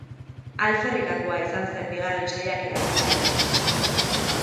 Alferrikakoa izan zen bigarren saiakera hura ere.